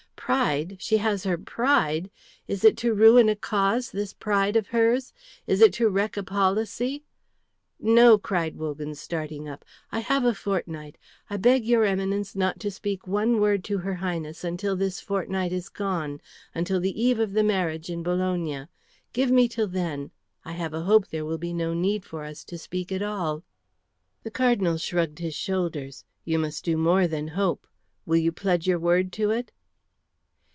"Pride! She has her pride! Is it to ruin a cause, this pride of hers? Is it to wreck a policy?" "No," cried Wogan, starting up. "I have a fortnight. I beg your Eminence not to speak one word to her Highness until this fortnight is gone, until the eve of the marriage in Bologna. Give me till then. I have a hope there will be no need for us to speak at all." The Cardinal shrugged his shoulders. "You must do more than hope. Will you pledge your word to it?"